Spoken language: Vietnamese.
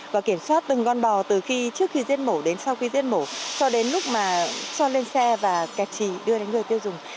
và kiểm soát từng con bò từ khi trước khi giết mổ đến sau khi giết mổ cho đến lúc mà cho lên xe và kẹt trì đưa đến người tiêu dùng